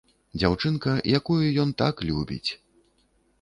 Дзяўчынка, якую ён так любіць!